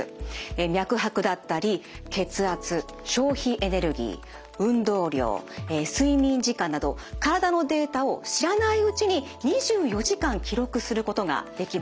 脈拍だったり血圧消費エネルギー運動量睡眠時間など体のデータを知らないうちに２４時間記録することができます。